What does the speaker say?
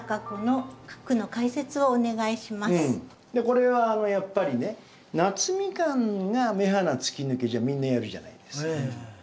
これはやっぱりね「夏蜜柑が目鼻つきぬけ」じゃみんなやるじゃないですか。